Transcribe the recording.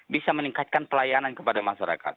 bisa meningkatkan pelayanan kepada masyarakat